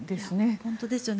本当ですよね。